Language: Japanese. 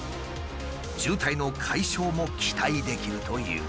渋滞の解消も期待できるという。